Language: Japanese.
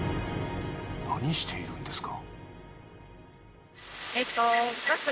何しているんですか？